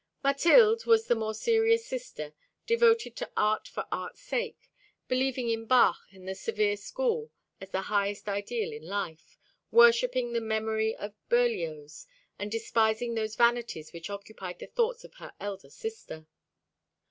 Mathilde was the more serious sister, devoted to art for art's sake; believing in Bach and the severe school as the highest ideal in life, worshipping the memory of Berlioz, and despising those vanities which occupied the thoughts of her elder sister.